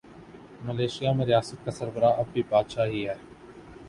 Malaysia میں ریاست کا سربراہ اب بھی بادشاہ ہی ہے۔